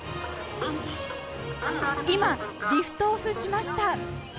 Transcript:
今、リフトオフしました。